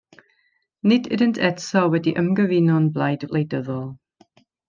Nid ydynt eto wedi ymgyfuno'n blaid wleidyddol.